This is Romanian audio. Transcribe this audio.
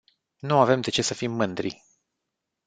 Nu avem de ce să fim mândri.